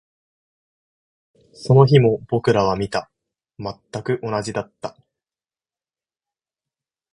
その次の日も僕らは見た。全く同じだった。